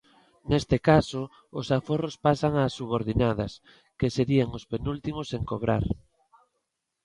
Neste caso, os aforros pasan ás subordinadas, que serían os penúltimos en cobrar.